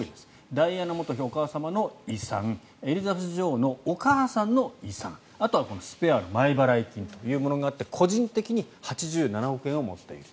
ダイアナ元妃、お母様の遺産エリザベス女王のお母さんの遺産あとは「スペア」の前払い金というものがあって個人的に８７億円を持っている。